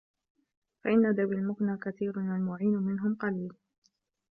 فَإِنَّ ذَوِي الْمُكْنَةِ كَثِيرٌ وَالْمُعِينُ مِنْهُمْ قَلِيلٌ